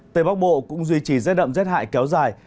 tây bắc bộ cũng duy trì rét đậm rét hại kéo dài